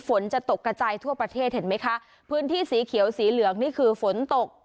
ฝนจะตกกระจายทั่วประเทศเห็นไหมคะพื้นที่สีเขียวสีเหลืองนี่คือฝนตก